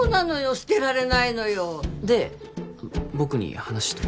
捨てられないのよで僕に話とは？